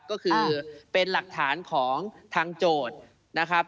ก็คือเป็นหลักฐานของทางโจทย์นะครับ